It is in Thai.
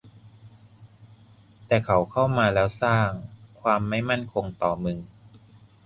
แต่เขาเข้ามาแล้วสร้าง ความไม่มั่นคงต่อมึง